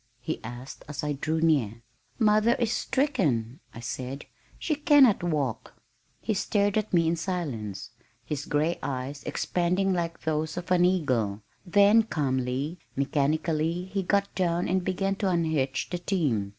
he asked as I drew near. "Mother is stricken," I said. "She cannot walk." He stared at me in silence, his gray eyes expanding like those of an eagle, then calmly, mechanically he got down and began to unhitch the team.